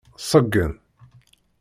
Ṣeggen.